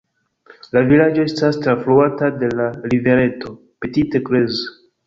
La vilaĝo estas trafluata de la rivereto Petite Creuse.